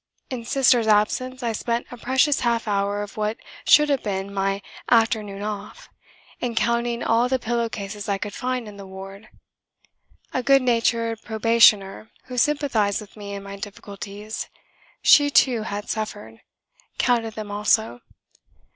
In Sister's absence I spent a precious half hour of what should have been my "afternoon off" in counting all the pillow cases I could find in the ward. A good natured probationer, who sympathised with me in my difficulties (she too had suffered), counted them also.